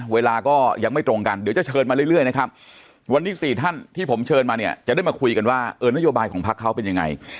เวลาก็ยังไม่ตรงกันเดี๋ยวจะเชิญมาเรื่อยนะครับวันนี้๔ท่านที่ผมเชิญมาเนี่ยจะได้มาคุยกันว่าเออนโยบายของพักเขาเป็นยังไง